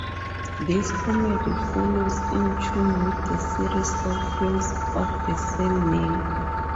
This comedy follows in tune with the series of films of the same name.